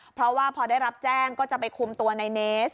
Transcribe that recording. เพราะว่าพอได้รับแจ้งก็จะไปคุมตัวในเนส